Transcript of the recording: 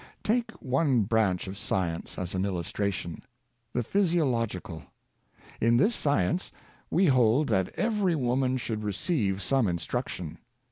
Take one branch of science as an illustration — the physiological. In this science we hold that every wom an should receive some instruction.